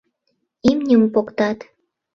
Имньым поктат.